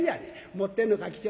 持ってんのか起請。